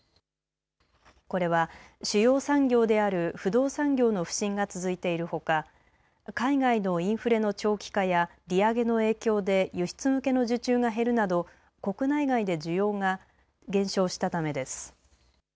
これは主要産業である不動産業の不振が続いているほか海外のインフレの長期化や利上げの影響で輸出向けの受注が減るなど国内外で需要が減少したためです。